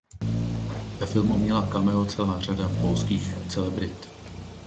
Ve filmu měla cameo celá řada polských celebrit.